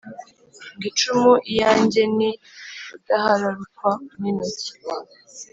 ngo icumu lyanjye ni rudahararukwa n'intoki.